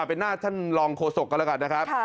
เป็นหน้าท่านรองโฆษกกันแล้วกันนะครับ